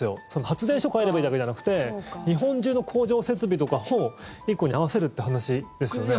発電所換えればいいだけじゃなくて日本中の工場設備とかも１個に合わせるって話ですよね。